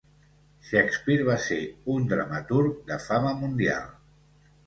Shakespeare va ser un dramaturg de fama mundial.